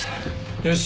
よし。